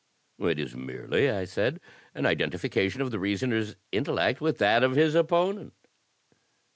"It is merely," I said, "an identification of the reasoner's intel lect with that of his opponent."